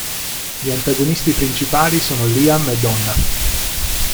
Gli antagonisti principali sono Liam e Donna.